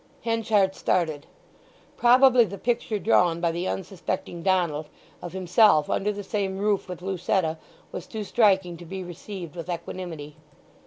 Henchard started. Probably the picture drawn by the unsuspecting Donald of himself under the same roof with Lucetta was too striking to be received with equanimity.